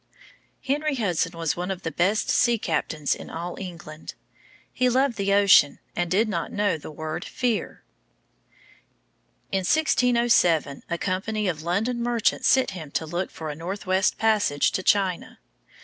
Henry Hudson was one of the best sea captains in all England. He loved the ocean, and he did not know the word "fear." [Illustration: Henry Hudson.] In 1607 a company of London merchants sent him to look for a northwest passage to China.